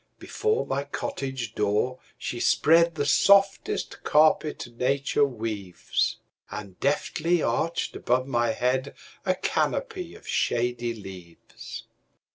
Before my cottage door she spreadThe softest carpet nature weaves, And deftly arched above my headA canopy of shady leaves.